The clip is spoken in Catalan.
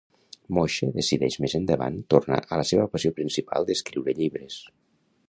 Moshe decideix més endavant tornar a la seva passió principal d'escriure llibres.